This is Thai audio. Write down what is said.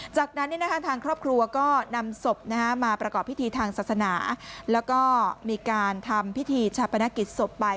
จากนั้นทางครอบครัวก็นำศพมาประกอบพิธีทางศาสนาแล้วก็มีการทำพิธีชาปนกิจศพไป